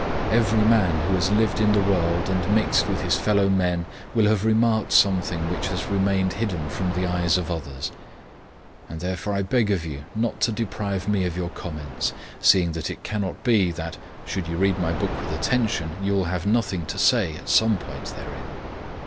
Every man who has lived in the world and mixed with his fellow men will have remarked something which has remained hidden from the eyes of others; and therefore I beg of you not to deprive me of your comments, seeing that it cannot be that, should you read my book with attention, you will have NOTHING to say at some point therein.